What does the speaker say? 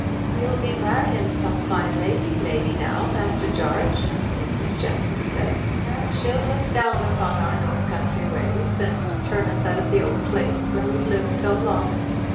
"You'll be marrying some fine lady, maybe now, Master Jarge," Mrs. Jeffson said; "and she'll look down upon our north country ways, and turn us out of the old place where we've lived so long."